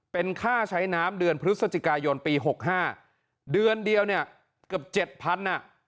เป็นค่าใช้น้ำเดือนพฤศจิกายนปี๖๕เดือนเดียวเนี่ยเกือบ๗๐๐๐อ่ะ